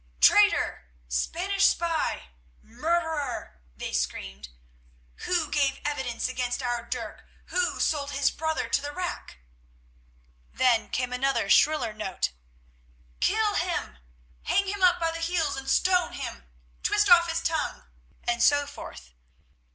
"Traitor!" "Spanish spy!" "Murderer!" they screamed. "Who gave evidence against our Dirk? Who sold his brother to the rack?" Then came another shriller note. "Kill him." "Hang him up by the heels and stone him." "Twist off his tongue," and so forth.